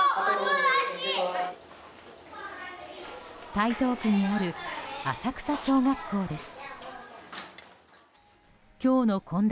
台東区にある浅草小学校です。